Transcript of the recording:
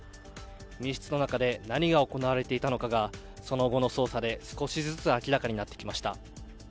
密室の中で何が行われていたのかがその後の捜査で少しずつ明らかになってきました。